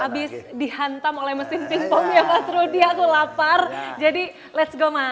abis dihantam oleh mesin ping pong ya mas rudi aku lapar jadi let's go mas